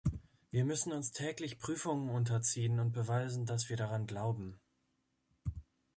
Wir müssen uns täglich Prüfungen unterziehen und beweisen, dass wir daran glauben.